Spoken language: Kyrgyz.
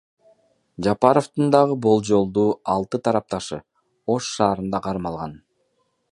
Жапаровдун дагы болжолдуу алты тарапташы Ош шаарында кармалган.